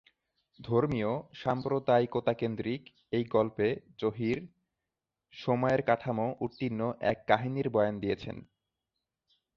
ধর্মীয়-সাম্প্রদায়িকতাকেন্দ্রীক এই গল্পে জহির সময়ের কাঠামো উত্তীর্ণ এক কাহিনীর বয়ান দিয়েছেন।